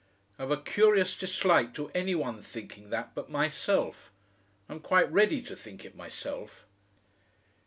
"I've a curious dislike to any one thinking that but myself. I'm quite ready to think it myself."